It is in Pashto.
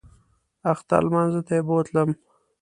اختر لمانځه ته یې بوتلم.